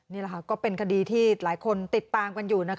นี่แหละค่ะก็เป็นคดีที่หลายคนติดตามกันอยู่